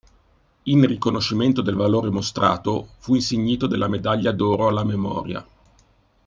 In riconoscimento del valore mostrato, fu insignito della medaglia d'oro alla memoria.